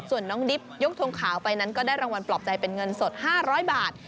ส่วนน้องดิบยกทงขาวไปนั้นก็ได้รางวัลปลอบใจเป็นเงินสด๕๐๐บาท